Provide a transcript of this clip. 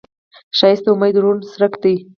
ښایست د امید روڼ څرک دی